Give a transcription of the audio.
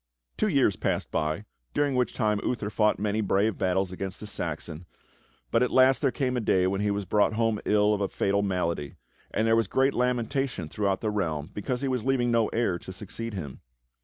Two years passed by during which time Uther fought many brave battles against the Saxons, but at last there came a day when he was brought home ill of a fatal malady, and there was great lamentation throughout the realm because he was leaving no heir to succeed him.